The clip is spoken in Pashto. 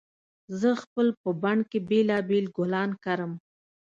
زه خپل په بڼ کې بېلابېل ګلان کرم